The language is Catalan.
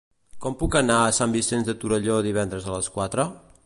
Com puc anar a Sant Vicenç de Torelló divendres a les quatre?